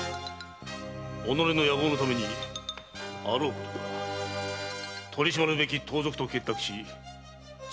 己の野望のためにあろうことか取り締まるべき盗賊と結託し罪